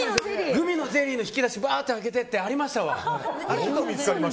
グミのゼリーの引き出しバッと開けてって見つけましたわ。